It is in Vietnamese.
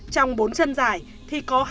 trong bốn chân dài thì có